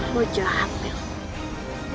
lo jahat mel